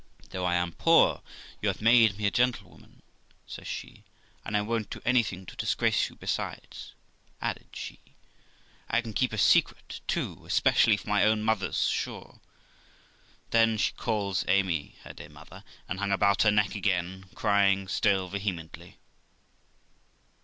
Though I am poor, you have made me a gentlewoman', says she, and I won't do anything to disgrace you ; besides', added she, 'I can keep a secret, too, especially for my own mother, sure '; then she calls Amy her dear mother, and hung about her neck again, crying still vehemently.